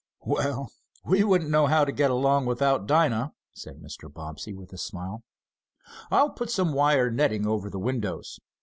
"Well, we wouldn't know how to get along without Dinah," said Mr. Bobbsey, with a smile. "I'll put some wire netting over the windows.